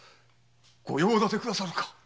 ご用立てくださるか？